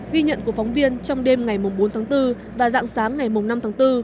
ghi nhận của phóng viên trong đêm ngày bốn tháng bốn và dạng sáng ngày năm tháng bốn